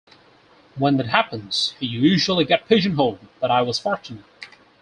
When that happens, you usually get pigeonholed, but I was fortunate.